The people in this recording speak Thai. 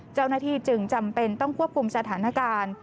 เจ้าหน้าที่จึงจำเป็นต้องควบคุมสถานการณ์